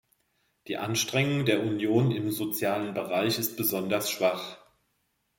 Die Anstrengung der Union im sozialen Bereich ist besonders schwach.